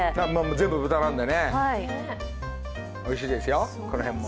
全部豚なんでね、おいしいですよ、この辺も。